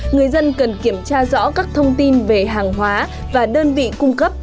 người dân cần kiểm tra rõ các thông tin về hàng hóa và đơn vị cung cấp